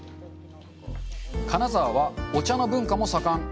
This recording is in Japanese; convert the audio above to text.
金沢はお茶の文化も盛ん。